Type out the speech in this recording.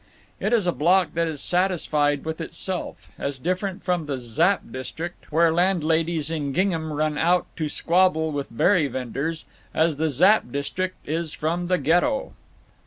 It is a block that is satisfied with itself; as different from the Zapp district, where landladies in gingham run out to squabble with berry venders, as the Zapp district is from the Ghetto.